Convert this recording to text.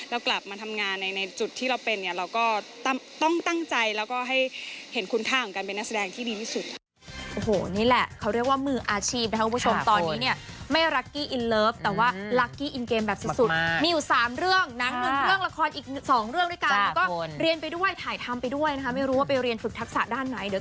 เรากลับมาทำงานในจุดที่เราเป็นเนี่ยเราก็ต้องตั้งใจแล้วก็ให้เห็นคุณค่าของการเป็นนักแสดงที่ดีที่สุด